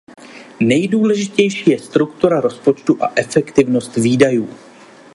Nejdůležitější je struktura rozpočtu a efektivnost výdajů.